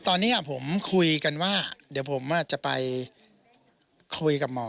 ตอนนี้ผมคุยกันว่าเดี๋ยวผมจะไปคุยกับหมอ